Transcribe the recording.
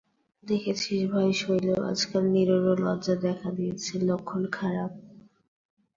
দেখেছিস ভাই শৈল, আজকাল নীরুরও লজ্জা দেখা দিয়েছে– লক্ষণ খারাপ।